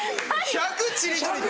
１００「ちりとり」。